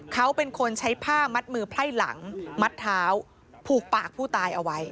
เขาเป็นคนใช้ผ้ามัดมือไพ่หลังมัดเท้าผูกปากผู้ตายเอาไว้